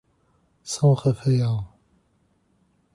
São Rafael